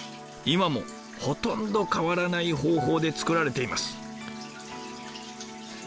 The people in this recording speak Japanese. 今もほとんど変わらない方法で作られています。